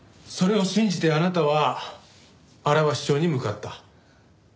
それを信じてあなたは荒鷲町に向かった。